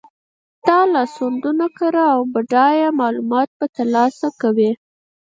دا لاسوندونه کره او بډایه معلومات په لاس راکوي.